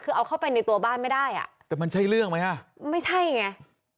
คือเอาเข้าไปในตัวบ้านไม่ได้อ่ะแต่มันใช่เรื่องไหมอ่ะไม่ใช่ไง